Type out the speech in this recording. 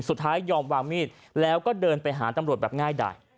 สุดท้ายยอมวางมีดแล้วก็เดินไปหาตำรวจแบบง่ายดาย